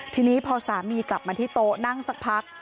ทีนี้พอสามีกลับมาที่โต๊ะนั่งสักพัก